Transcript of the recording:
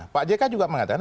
pak jekai juga mengatakan